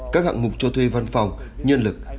các hạng mục cho thuê văn phòng nhân lực